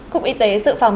công y tế dự phòng